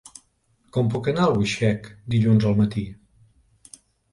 Com puc anar a Albuixec dilluns al matí?